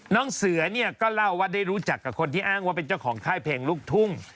น้องเสือเนี่ยก็เล่าว่าได้รู้จักกับคนที่อ้างว่าเป็นเจ้าของค่ายเพลงลูกทุ่ง